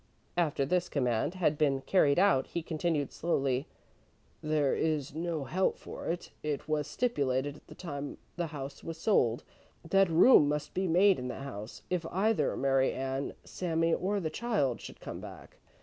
After this command had been carried out, he continued slowly: "There is no help for it. It was stipulated at the time the house was sold, that room must be made in the house if either Mary Ann, Sami or the child should come back.